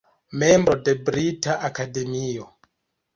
Membro de Brita Akademio.